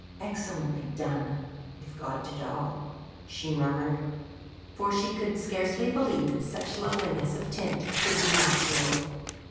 "Excellently done, if God did all," she murmured, for she could scarcely believe such loveliness of tint could be natural.